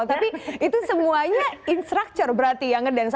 tapi itu semuanya instructor berarti ya ngedance